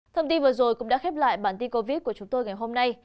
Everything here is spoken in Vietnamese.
thông tin vừa rồi cũng đã khép lại bản tin covid của chúng tôi ngày hôm nay